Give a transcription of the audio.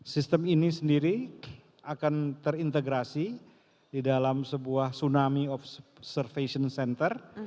sistem ini sendiri akan terintegrasi di dalam sebuah tsunami observation center